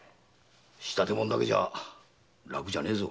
仕立て物だけじゃ楽じゃねえぞ。